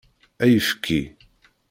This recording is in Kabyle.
Ayefki.